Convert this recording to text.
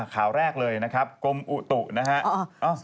ข่าวแรกเลยนะครับกรมอุตุนะครับ